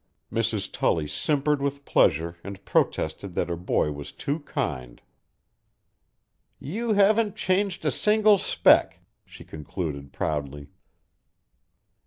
Mrs. Tully simpered with pleasure and protested that her boy was too kind. "You haven't changed a single speck," she concluded proudly.